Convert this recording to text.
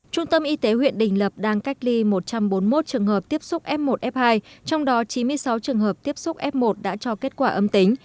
trung tâm y tế huyện đình lập đang cách ly một trăm bốn mươi một trường hợp tiếp xúc f một f hai trong đó chín mươi sáu trường hợp tiếp xúc f một đã cho kết quả âm tính